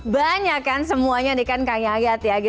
banyak kan semuanya nih kan kak nyayat ya